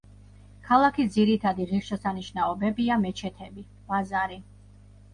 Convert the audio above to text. ქალაქის ძირითადი ღირსშესანიშნაობებია მეჩეთები, ბაზარი.